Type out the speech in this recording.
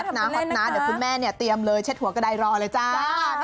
ฮอฮอตนาฮอตนาเดี๋ยวคุณแม่เตรียมเลยเช็ดหัวกระดายรอเลยจ้า